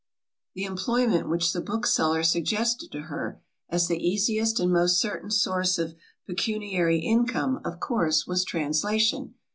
The employment which the bookseller suggested to her, as the easiest and most certain source of pecuniary income, of course, was translation.